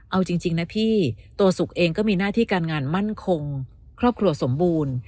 เอาจริงนะพี่ตัวสุกเองก็มีหน้าที่การงานมั่นคงครอบครัวสมบูรณ์